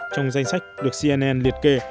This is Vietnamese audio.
trong danh sách được cnn liệt kê